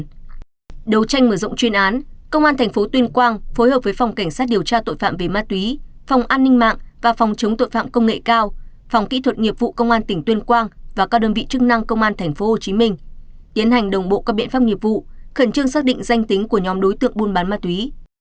đấu tranh mở rộng chuyên án công an tp tuyên quang phối hợp với phòng cảnh sát điều tra tội phạm về ma túy phòng an ninh mạng và phòng chống tội phạm công nghệ cao phòng kỹ thuật nghiệp vụ công an tỉnh tuyên quang và các đơn vị chức năng công an tp hcm tiến hành đồng bộ các biện pháp nghiệp vụ khẩn trương xác định danh tính của nhóm đối tượng buôn bán ma túy